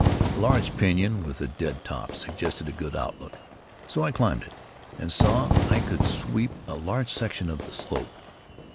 A large pinyon, with a dead top, suggested a good outlook, so I climbed it, and saw I could sweep a large section of the slope.